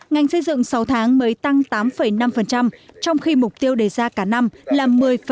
ngành xây dựng sáu tháng mới tăng tám năm trong khi mục tiêu đề ra cả năm là một mươi năm